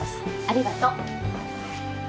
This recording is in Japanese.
ありがとう。